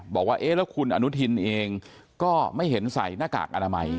บอกว่าเอ๊ะแล้วคุณอนุทินเองก็ไม่เห็นใส่หน้ากากอนามัย